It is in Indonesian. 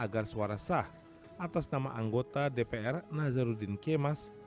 agar suara sah atas nama anggota dpr nazarudin kemas